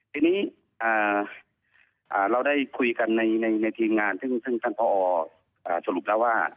ทีนี้เราได้คุยกันในทีมงานซึ่งท่านพอสรุปแล้วว่า